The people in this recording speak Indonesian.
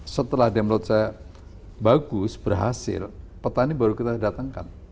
setelah download saya bagus berhasil petani baru kita datangkan